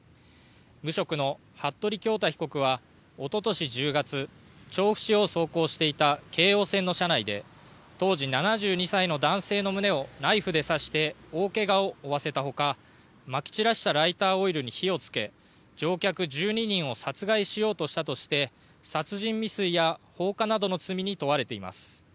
無職の服部恭太被告はおととし１０月、調布市を走行していた京王線の車内で当時７２歳の男性の胸をナイフで刺して大けがを負わせたほかまき散らしたライターオイルに火をつけ乗客１２人を殺害しようとしたとして殺人未遂や放火などの罪に問われています。